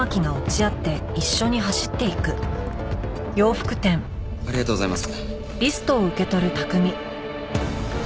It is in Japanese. イチ押しありがとうございます。